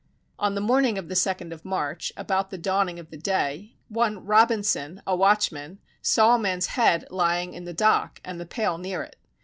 On the morning of the second of March, about the dawning of the day, one Robinson a watchman saw a man's head lying in the dock, and the pail near it.